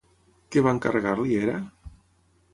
Què va encarregar-li Hera?